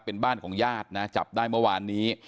เป็นบ้านของญาตินะจับได้เมื่อวานนี้